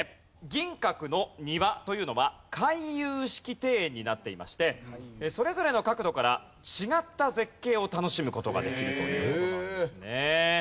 銀閣の庭というのは回遊式庭園になっていましてそれぞれの角度から違った絶景を楽しむ事ができるという事なんですね。